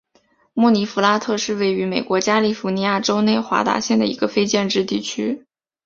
穆尼弗拉特是位于美国加利福尼亚州内华达县的一个非建制地区。